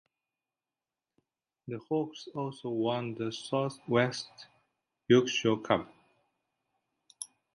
The Hawks also won the South West Yorkshire Cup.